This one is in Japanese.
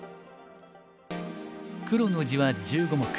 黒の地は１５目。